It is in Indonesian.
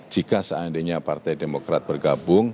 jika seandainya partai demokrat bergabung